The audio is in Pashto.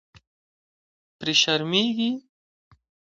پرې شرمېږي.